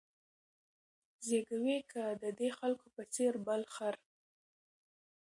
زېږوې که د دې خلکو په څېر بل خر